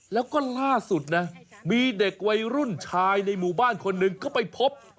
แล้วก็ล่าสุดนะมีเด็กวัยรุ่นชายในหมู่บ้านคนหนึ่งก็ไปพบ